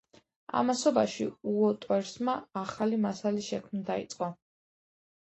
ამასობაში უოტერსმა ახალი მასალის შექმნა დაიწყო.